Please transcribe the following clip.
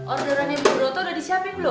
orderan yang di broto udah disiapin belum